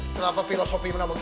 kenapa filosofi mana begitu